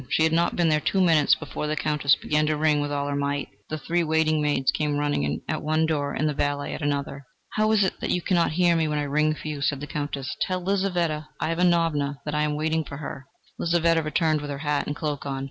She had not been there two minutes, before the Countess began to ring with all her might. The three waiting maids came running in at one door and the valet at another. "How is it that you cannot hear me when I ring for you?" said the Countess. "Tell Lizaveta Ivanovna that I am waiting for her." Lizaveta returned with her hat and cloak on.